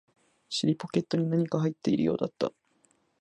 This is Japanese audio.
尻ポケットに何か入っているようだった